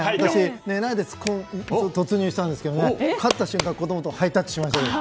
寝ないで突入したんですけど勝った瞬間に子供とハイタッチしました。